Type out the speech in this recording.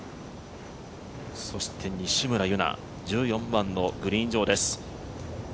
そして西村優菜１４番のグリーン上です。